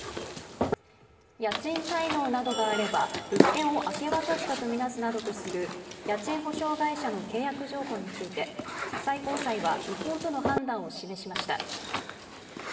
家賃滞納などがあれば物件を明け渡したとみなすなどとする家賃保証会社の契約条項について最高裁は違法との判断を示しました。